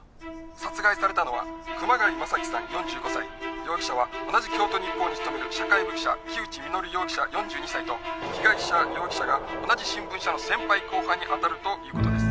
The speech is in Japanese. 「殺害されたのは熊谷正樹さん４５歳」「容疑者は同じ京都日報に勤める社会部記者木内稔容疑者４２歳と被害者容疑者が同じ新聞社の先輩後輩にあたるという事です」